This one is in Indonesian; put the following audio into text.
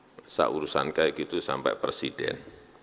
saya urusan kayak gitu sampai presiden